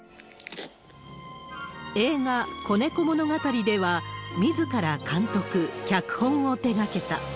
映画、子猫物語では、みずから監督、脚本を手がけた。